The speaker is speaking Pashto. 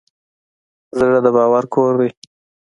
زړه د باور کور دی.